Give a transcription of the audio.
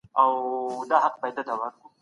دغه ونه په رښتیا ډېره مېوه لرونکې وه.